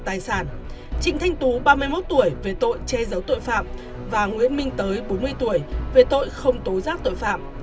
trịnh thanh tú về tội che giấu tội phạm và nguyễn minh tới bốn mươi tuổi về tội không tố giác tội phạm